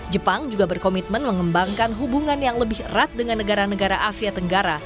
jepang juga berkomitmen mengembangkan hubungan yang lebih erat dengan negara negara asia tenggara